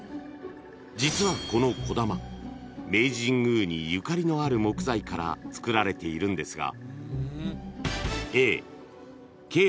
［実はこのこだま明治神宮にゆかりのある木材から作られているんですが］